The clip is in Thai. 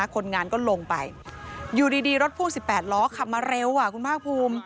คนงานก็ลงไปอยู่ดีรถพ่วง๑๘ล้อขับมาเร็วคุณภาคภูมิ